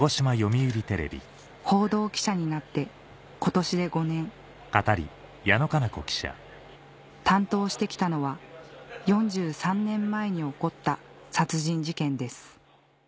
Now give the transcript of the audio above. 報道記者になって今年で５年担当してきたのは４３年前に起こった殺人事件です